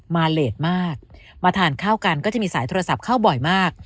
มาเลสมากมาทานข้าวกันก็จะมีสายโทรศัพท์เข้าบ่อยมาก